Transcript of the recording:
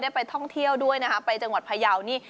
ไปท่องเที่ยวด้วยนะคะไปจังหวัดพยาวนี่